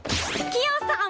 ・キヨさん